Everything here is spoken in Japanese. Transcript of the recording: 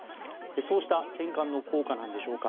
そうした転換の効果なんでしょうか。